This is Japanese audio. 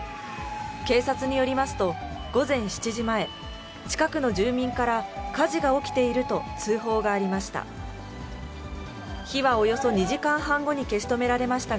警察によりますと、午前７時前、近くの住民から火事が起きていると通報がありました。